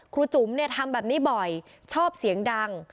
ครูจุ๋มเนี่ยทำแบบนี้บ่อยชอบเสียงดัง